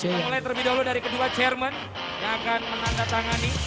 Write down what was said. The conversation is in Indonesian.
kita mulai terlebih dahulu dari kedua chairman yang akan menandatangani